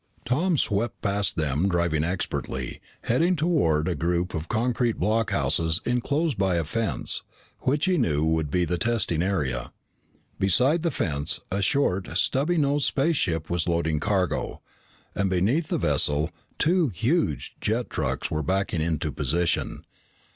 Tom swept past them, driving expertly, heading toward a group of concrete blockhouses enclosed by a fence which he knew would be the testing area. Beside the fence, a short, stubby nosed spaceship was loading cargo, and beneath the vessel, two huge jet trucks were backing into position.